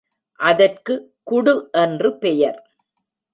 அதற்குக் குடு என்று பெயர்.